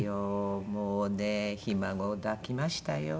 もうねひ孫を抱きましたよ。